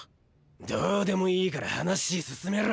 どでもいから話ィ進めろ。